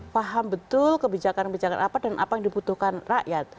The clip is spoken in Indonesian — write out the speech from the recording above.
paham betul kebijakan kebijakan apa dan apa yang dibutuhkan rakyat